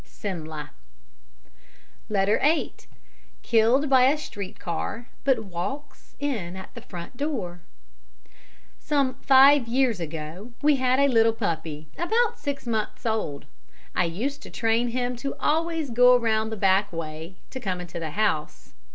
"SIMLA" (M. Conder). Letter 8 Killed by a Street Car, but walks in at the Front Door Some five years ago we had a little puppy about six months old. I used to train him to always go round the back way to come into the house.